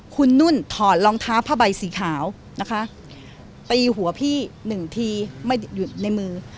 คุณนุ่นถอดรองเท้าผ้าใบสีขาวนะคะตีหัวพี่หนึ่งทีไม่อยู่ในมือ